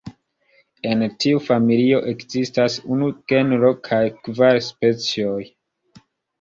En tiu familio ekzistas unu genro kaj kvar specioj.